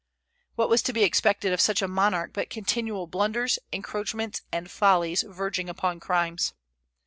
What was to be expected of such a monarch but continual blunders, encroachments, and follies verging upon crimes?